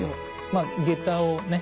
まあ下駄をね